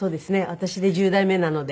私で１０代目なので。